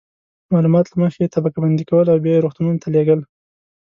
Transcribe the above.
معلومات له مخې یې طبقه بندي کول او بیا یې روغتونونو ته لیږل.